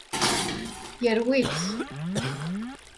Yerwi-tt.